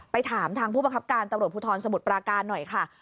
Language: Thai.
ถามทางผู้ประคับการตำรวจภูทรสมุทรปราการหน่อยค่ะ